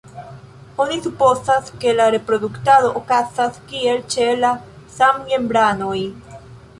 Oni supozas, ke la reproduktado okazas kiel ĉe la samgenranoj.